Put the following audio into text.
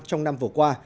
trong năm vừa qua